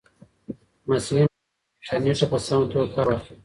محصلین باید له انټرنیټه په سمه توګه کار واخلي.